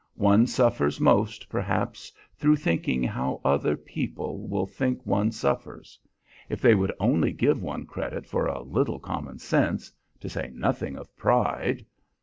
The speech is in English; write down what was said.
One suffers most, perhaps, through thinking how other people will think one suffers. If they would only give one credit for a little common sense, to say nothing of pride!"